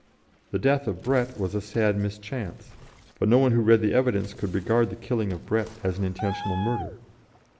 The death of Brett was a sad mischance, but no one who read the evidence could regard the killing of Brett as an intentional murder.